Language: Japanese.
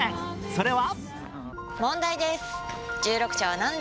それは？